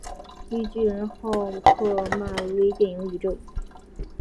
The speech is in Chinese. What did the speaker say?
绿巨人浩克漫威电影宇宙